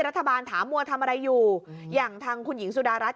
รัฐบาลถามมัวทำอะไรอยู่อย่างทางคุณหญิงสุดารัฐ